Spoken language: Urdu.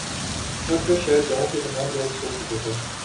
تھک کر شاید گاؤں کے تمام لوگ سو چکے تھے